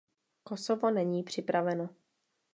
Kosovo není připraveno.